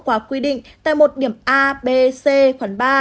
năm vi phạm quy định tại một điểm a b c khoảng ba